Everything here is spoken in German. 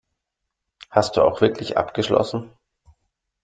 Hast du auch wirklich abgeschlossen?